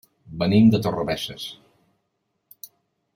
Venim de Torrebesses.